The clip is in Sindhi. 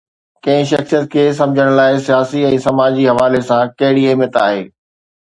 ڪنهن شخصيت کي سمجهڻ لاءِ سياسي ۽ سماجي حوالي سان ڪهڙي اهميت آهي؟